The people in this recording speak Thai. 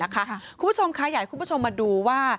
คุณผู้ชมขยายคุณผู้ชมมาดูว่า